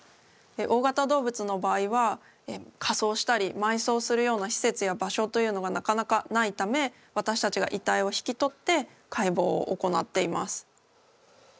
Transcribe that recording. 大型動物の場合は火葬したり埋葬するような施設や場所というのがなかなかないため私たちが遺体を引き取って解剖を行っています。